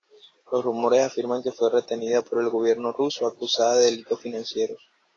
Los rumores afirman que fue retenida por el gobierno ruso acusada de delitos financieros.